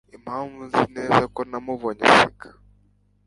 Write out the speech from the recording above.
impamvu nzi neza ko namubonye aseka